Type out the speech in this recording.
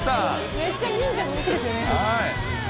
めっちゃ忍者人気ですね。